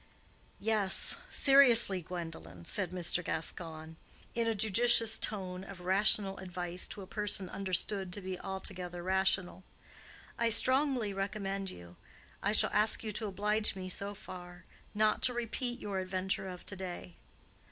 "Yes, seriously, Gwendolen," said Mr. Gascoigne, in a judicious tone of rational advice to a person understood to be altogether rational, "I strongly recommend you—I shall ask you to oblige me so far—not to repeat your adventure of to day.